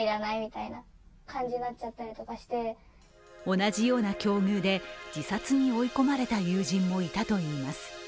同じような境遇で自殺に追い込まれた友人もいたといいます。